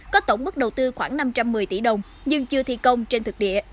có tổng mức đầu tư khoảng năm trăm một mươi tỷ đồng nhưng chưa thi công trên thực địa